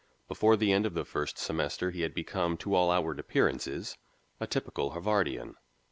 Before the end of the first semester he had become to all outward appearances a typical Harvardian.